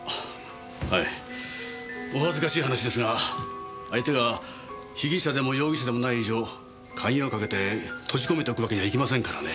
はいお恥ずかしい話ですが相手が被疑者でも容疑者でもない以上鍵をかけて閉じ込めておくわけにはいきませんからね。